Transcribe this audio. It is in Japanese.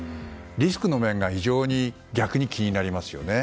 リスクの面が非常に逆に気になりますね。